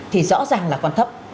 thì rõ ràng là còn thấp